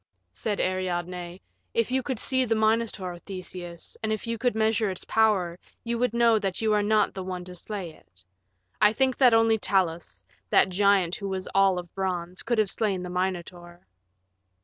Said Ariadne, "If you could see the Minotaur, Theseus, and if you could measure its power, you would know that you are not the one to slay it. I think that only Talos, that giant who was all of bronze, could have slain the Minotaur."